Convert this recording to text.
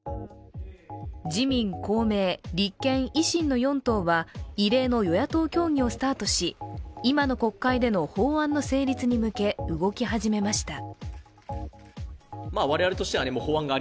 自民、公明、立憲、維新の４党は異例の与野党協議をスタートし今の国会での法案の成立に向け、動き始めました。